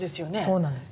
そうなんです。